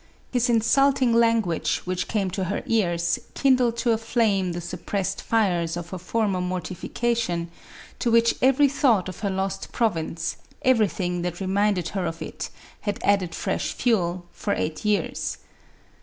His insulting lan guage, which came to her ears, kindled to a flame the suppressed fires of her former mortification, to which every thought of her lost province, everything that re minded her of it, had added fresh fuel, for eight years.